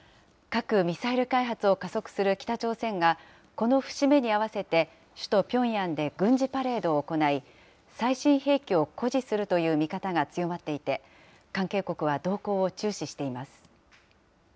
核・ミサイル開発を加速する北朝鮮が、この節目に合わせて首都ピョンヤンで軍事パレードを行い、最新兵器を誇示するという見方が強まっていて、関係国は動向を注視しています。